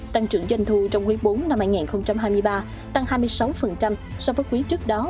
tăng trưởng doanh thu trong quý bốn năm hai nghìn hai mươi ba tăng hai mươi sáu so với quý trước đó